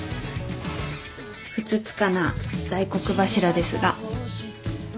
ふつつかな大黒柱ですが。